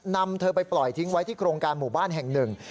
นำเธอไปปล่อยทิ้งไว้ที่โครงการหมู่บ้านแห่งหนึ่ง